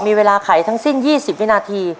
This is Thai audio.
มีเวลาไขทั้งสิ้น๒๐วินาที